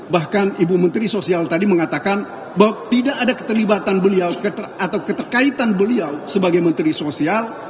bahkan ibu menteri sosial tadi mengatakan bahwa tidak ada keterlibatan beliau atau keterkaitan beliau sebagai menteri sosial